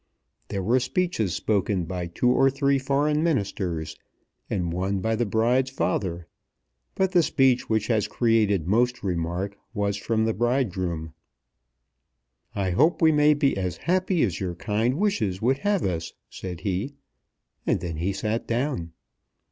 There were speeches spoken by two or three Foreign Ministers, and one by the bride's father. But the speech which has created most remark was from the bridegroom. "I hope we may be as happy as your kind wishes would have us," said he; and then he sat down.